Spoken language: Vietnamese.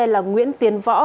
là nguyễn tiến võ